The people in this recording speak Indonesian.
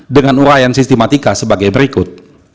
dengan urayan sistematika sebagai berikut